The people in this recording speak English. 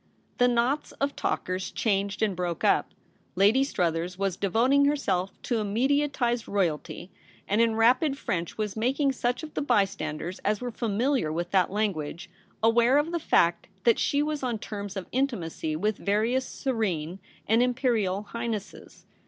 The knots of talkers changed and broke up. Lady Struthers was devoting herself to a mediatized Royalty, and, in rapid French, was making such of the bystanders as were familiar with that language aware of the fact that she was on terms of intimacy with various Serene and Imperial Highnesses.